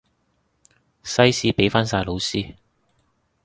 西史畀返晒老師